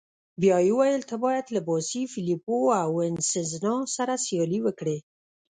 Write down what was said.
بیا يې وویل: ته باید له باسي، فلیپو او وینسزنا سره سیالي وکړې.